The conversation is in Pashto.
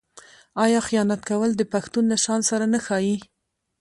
آیا خیانت کول د پښتون له شان سره نه ښايي؟